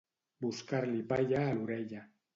Buscar-li palla a l'orella.